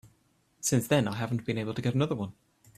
Since then I haven't been able to get another one.